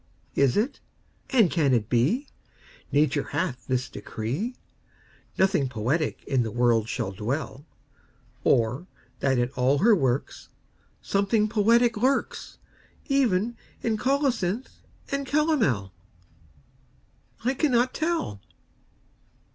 Is it, and can it be, Nature hath this decree, Nothing poetic in the world shall dwell? Or that in all her works Something poetic lurks, Even in colocynth and calomel? I cannot tell.